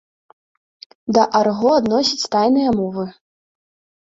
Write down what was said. Да арго адносяць тайныя мовы.